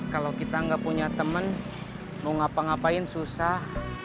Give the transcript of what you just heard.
kalau kita nggak punya temen mau ngapa ngapain susah